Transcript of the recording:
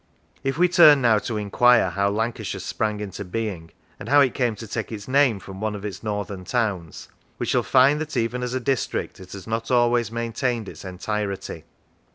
If we turn now to enquire how Lancashire sprang into being, and how it came to take its name from one of its northern towns, we shall find that even as a district it has not always maintained its entirety.